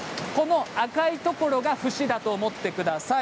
赤いところが節だと思ってください。